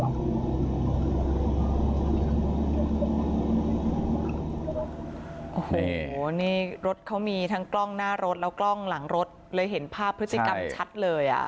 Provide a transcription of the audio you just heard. โอ้โหนี่รถเขามีทั้งกล้องหน้ารถแล้วกล้องหลังรถเลยเห็นภาพพฤติกรรมชัดเลยอ่ะ